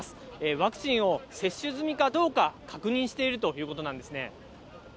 ワクチンを接種済みかどうか、確認しているということなんですね。